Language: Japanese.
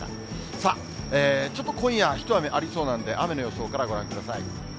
さあ、ちょっと今夜、一雨ありそうなんで、雨の予想からご覧ください。